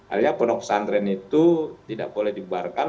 alahnya ponoksantren itu tidak boleh dibaharkan